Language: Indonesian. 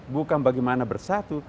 bukan bagaimana bersatu